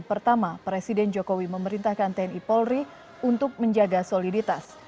pertama presiden jokowi memerintahkan tni polri untuk menjaga soliditas